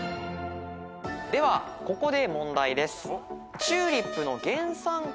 ではここで問題です。